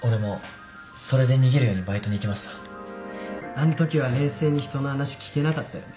あんときは冷静に人の話聞けなかったよね。